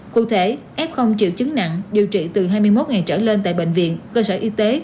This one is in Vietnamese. cụ thể f triệu chứng nặng điều trị từ hai mươi một ngày trở lên tại bệnh viện cơ sở y tế